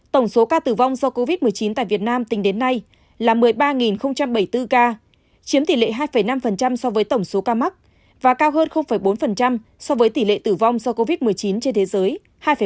tổng số ca tử vong do covid một mươi chín tại việt nam tính đến nay là một mươi ba bảy mươi bốn ca chiếm tỷ lệ hai năm so với tổng số ca mắc và cao hơn bốn so với tỷ lệ tử vong do covid một mươi chín trên thế giới hai ba